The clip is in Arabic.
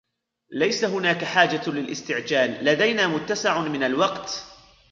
ليس هناك حاجة للاستعجال. لدينا متسع من الوقت.